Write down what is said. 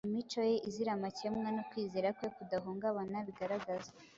Imico ye izira amakemwa no kwizera kwe kudahungabana bigaragazwa